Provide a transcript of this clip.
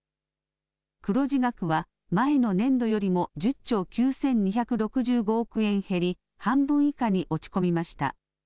黒字額は前の年度よりも１０兆９２６５億円減り半分以下に落ち込みました。